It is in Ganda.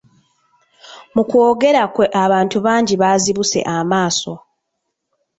Mu kwongera kwe abantu bangi bazibuse amaaso.